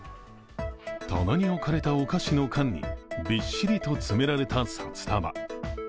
棚に置かれたお菓子の缶にびっしりと詰められた札束。